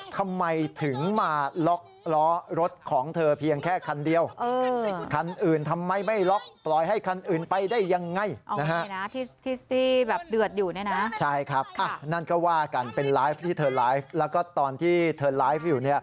เป็นไลฟ์ที่เธอไลฟ์แล้วก็ตอนที่เธอไลฟ์อยู่